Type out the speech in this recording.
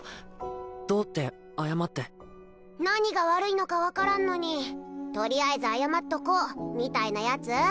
どうって謝って何が悪いのか分からんのにとりあえず謝っとこうみたいなやつ？